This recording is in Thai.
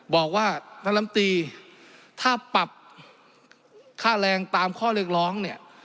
บอกว่าท่านลำตีถ้าปรับค่าแรงตามข้อเรียกร้องเนี่ย